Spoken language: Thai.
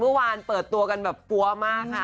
เมื่อวานเปิดตัวกันแบบปั๊วมากค่ะ